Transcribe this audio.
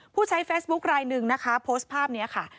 ผู้ใช้เฟซบุ๊คลายหนึ่งนะคะโพสต์ภาพนี้ค่ะ